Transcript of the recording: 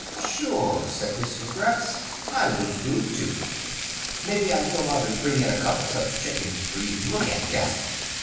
"Sure," said Mrs. Gratz. "I wouldn't do it, too. Mebby I go out and bring in a couple such chickens for you to look at? Yes?"